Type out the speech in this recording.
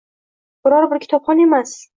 Biror biri kitobxon emas.